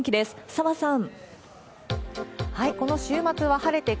澤さん。